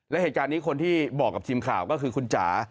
และเหตุการณ์นี้คนที่บอกกับทีมข่าวก็คือคุณจ๋า